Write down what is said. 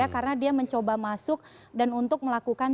karena dia mencoba masuk dan untuk melakukan